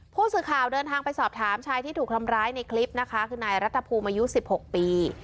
ผู้สื่อข่าวเดินทางไปสอบถามชายที่ถูกทำร้ายในคลิปนะคะคือนายรัฐภูมิอายุ๑๖ปี